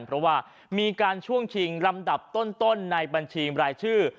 เพราะว่ามีการช่วงชิงลำดับต้นในบัญชีรายชื่อ